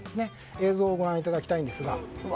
映像をご覧いただきたいんですが。